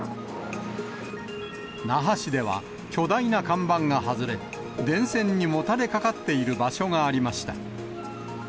那覇市では巨大な看板が外れ、電線にもたれかかっている場所がありました。